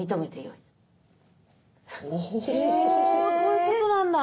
おそういうことなんだ。